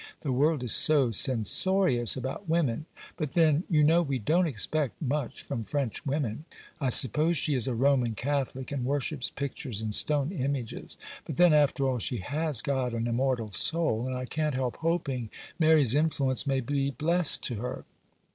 the world is so censorious about women! But then, you know, we don't expect much from French women. I suppose she is a Roman Catholic, and worships pictures and stone images; but then, after all, she has got an immortal soul, and I can't help hoping Mary's influence may be blest to her.